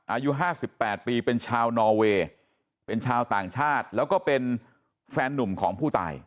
อายุ๕๘ปีเป็นชาวนอเวย์เป็นชาวต่างชาติแล้วก็เป็นแฟนนุ่มของผู้ตาย